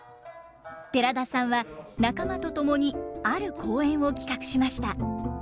寺田さんは仲間と共にある公演を企画しました。